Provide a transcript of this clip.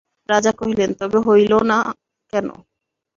রাজা কহিলেন, তবে হইল না কেন?